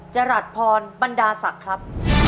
จรัสพรบรรดาศักดิ์ครับ